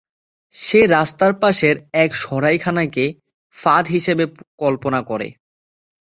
সে রাস্তার পাশের এক সরাইখানাকে ফাঁদ হিসেবে কল্পনা করে।